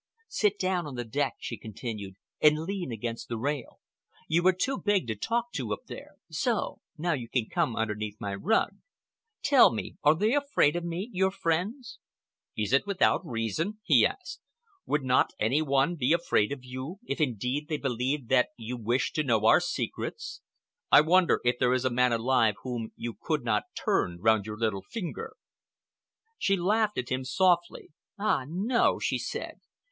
"Sit down on the deck," she continued, "and lean against the rail. You are too big to talk to up there. So! Now you can come underneath my rug. Tell me, are they afraid of me, your friends?" "Is it without reason?" he asked. "Would not any one be afraid of you—if, indeed, they believed that you wished to know our secrets? I wonder if there is a man alive whom you could not turn round your little finger." She laughed at him softly. "Ah, no!" she said.